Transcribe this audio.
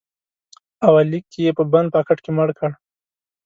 اولیک یې په بند پاکټ کې مړ کړ